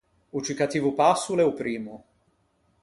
O ciù cattivo passo o l’é o primmo.